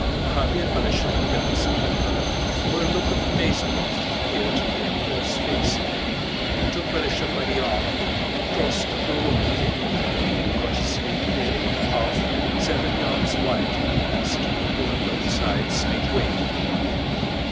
Hardly had Balashëv begun to speak before a look of amazement appeared on the Emperor's face. He took Balashëv by the arm and crossed the room with him, unconsciously clearing a path seven yards wide as the people on both sides made way for him.